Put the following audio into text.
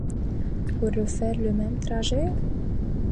Pour refaire le même trajet?